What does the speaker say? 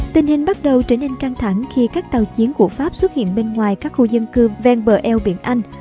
tình hình bắt đầu trở nên căng thẳng khi các tàu chiến của pháp xuất hiện bên ngoài các khu dân cư ven bờ eo biển anh